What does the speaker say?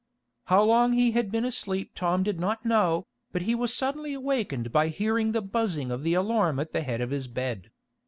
How long he had been asleep Tom did not know, but he was suddenly awakened by hearing the buzzing of the alarm at the head of his bed.